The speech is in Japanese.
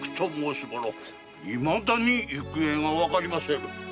いまだに行方がわかりません。